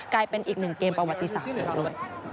กลายเป็นอีกหนึ่งเกมประวัติศาสตร์เลยด้วย